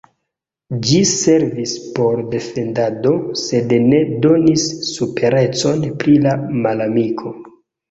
Ĝi servis por defendado, sed ne donis superecon pri la malamiko.